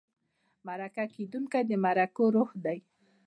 مرکه کېدونکی د مرکو روح دی.